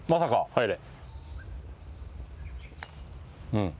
うん。